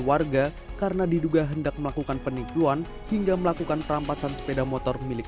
warga karena diduga hendak melakukan penipuan hingga melakukan perampasan sepeda motor milik